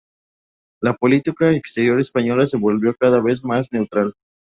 La política exterior española se volvió cada vez más neutral.